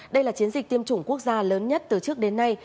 đây là chiến dịch tiêm chủng quốc gia lớn nhất từ trước đến nay